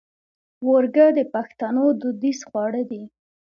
ورږۀ د پښتنو دوديز خواړۀ دي